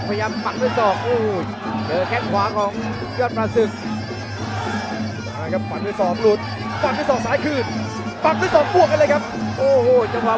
มาแล้วครับชิคกี้พายมาเรียบในยนต์เข่าลูบอีกครั้งครับ